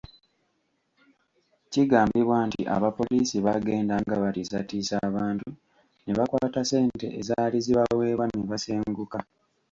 Kigambibwa nti abapoliisi baagendanga batiisatiisa abantu ne bakwata ssente ezaali zibaweebwa ne basenguka.